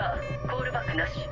コールバックなし。